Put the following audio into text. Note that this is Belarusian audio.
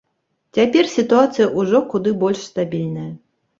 Цяпер сітуацыя ўжо куды больш стабільная.